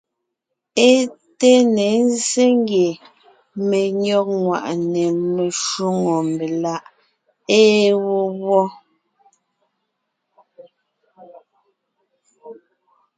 É té ne ńzsé ngie menÿɔ́g ŋwàʼne meshwóŋè meláʼ ée wó wɔ́.